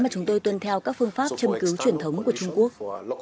mà chúng tôi tuân theo các phương pháp châm cứu truyền thống của trung quốc